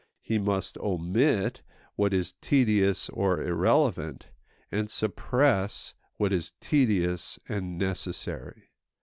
He must omit what is tedious or irrelevant, and suppress what is tedious and necessary.